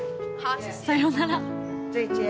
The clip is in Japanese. さよなら。